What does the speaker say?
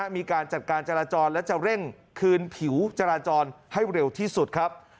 มีการจัดการจราจรและจะเร่งคืนผิวจราจรให้เร็วที่สุดครับ